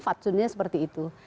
fatsunnya seperti itu